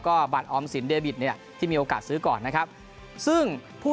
ก็บัตรออมสินเดบิตเนี่ยที่มีโอกาสซื้อก่อนนะครับซึ่งผู้